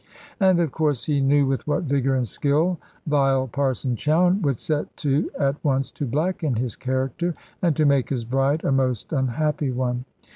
And of course he knew with what vigour and skill vile Parson Chowne would set to at once to blacken his character, and to make his bride a most unhappy one.